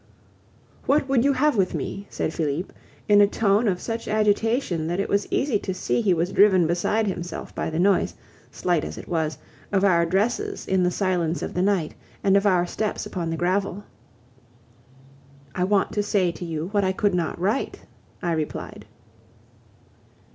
"What would you have with me?" said Felipe, in a tone of such agitation that it was easy to see he was driven beside himself by the noise, slight as it was, of our dresses in the silence of the night and of our steps upon the gravel. "I want to say to you what I could not write," I replied.